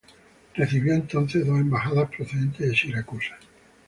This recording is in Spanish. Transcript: Recibió entonces dos embajadas procedentes de Siracusa.